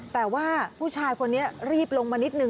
แต่ว่าผู้ชายคนนี้รีบลงมานิดนึ